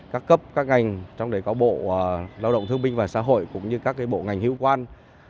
các cấp các ngành trong đấy có bộ lao động thương binh và xã hội cũng như các bộ ngành hữu quan